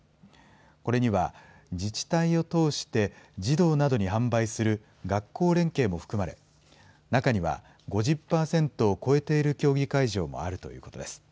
これには、自治体を通して児童などに販売する学校連携も含まれ、中には５０％を超えている競技会場もあるということです。